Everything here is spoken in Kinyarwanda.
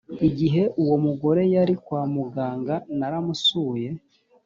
igihe uwo mugore yari kwamuganga naramusuye